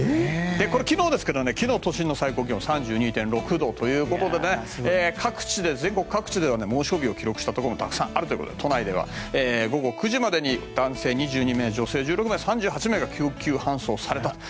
昨日ですけど昨日の都心の最高気温は３２度ということで全国各地で猛暑日を記録したところもたくさんあるということで都内では午後９時までに男性２２名、女性１６名が救急搬送されたと。